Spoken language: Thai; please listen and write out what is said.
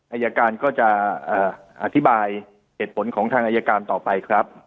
อายการก็จะอธิบายเหตุผลของทางอายการต่อไปครับ